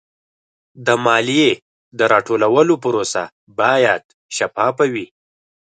د مالیې د راټولولو پروسه باید شفافه وي.